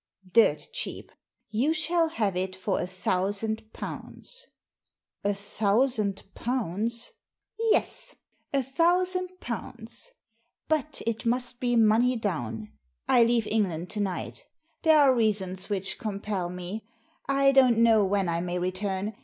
'* "Dirt cheap. You shall have it for a thousand pounds." "A thousand pounds?" " Yes, a thousand pounds. But it must be money down. I leave England to night There are reasons which compel me, I don't know when I may return.